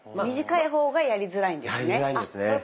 短い方がやりづらいんですね。